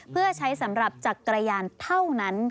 เพื่อใช้สำหรับจักรยานเท่านั้น